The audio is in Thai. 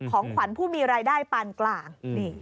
ของขวัญผู้มีรายได้ปานกลาง